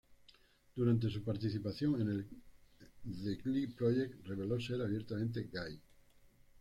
Durante su participación en "The Glee Project" reveló ser abiertamente gay.